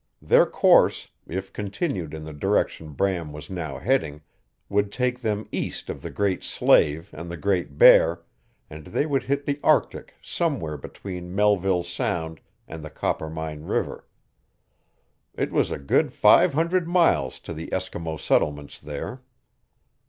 Their course, if continued in the direction Bram was now heading, would take them east of the Great Slave and the Great Bear, and they would hit the Arctic somewhere between Melville Sound and the Coppermine River. It was a good five hundred miles to the Eskimo settlements there.